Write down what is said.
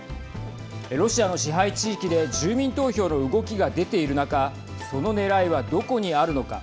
ロシアの支配地域で住民投票の動きが出ている中そのねらいはどこにあるのか。